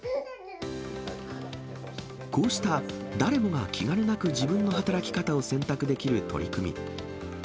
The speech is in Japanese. こうした、誰もが気兼ねなく自分の働き方を選択できる取り組み。